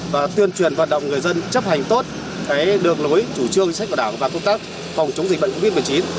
và tuyên truyền vận động người dân chấp hành tốt đường lối chủ trương sách của đảng và công tác phòng chống dịch bệnh covid một mươi chín